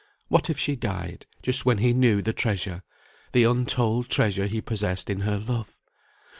What if she died, just when he knew the treasure, the untold treasure he possessed in her love!